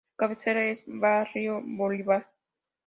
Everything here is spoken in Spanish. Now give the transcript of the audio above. Su cabecera es Barrio Bolívar.